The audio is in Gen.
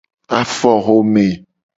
Afoxome.